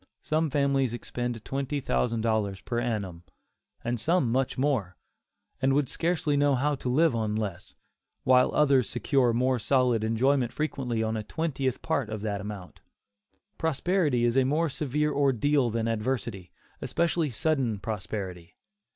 Some families expend twenty thousand dollars per annum, and some much more, and would scarcely know how to live on less, while others secure more solid enjoyment frequently on a twentieth part of that amount. Prosperity is a more severe ordeal than adversity, especially sudden prosperity.